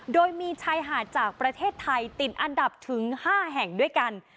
โดยมีชายหาดจากประเทศไทยติดอันดับถึง๕แห่งด้วยกัน